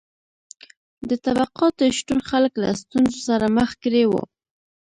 د طبقاتو شتون خلک له ستونزو سره مخ کړي وو.